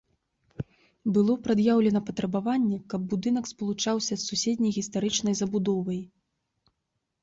Было прад'яўлена патрабаванне, каб будынак спалучаўся з суседняй гістарычнай забудовай.